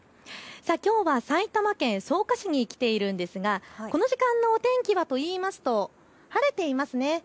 きょうは埼玉県草加市に来ているんですがこの時間のお天気はといいますと、晴れていますね。